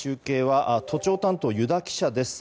都庁担当、油田記者です。